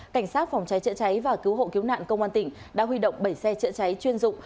cảnh sát phòng cháy chữa cháy và cứu hộ cứu nạn công an tỉnh đã huy động bảy xe chữa cháy chuyên dụng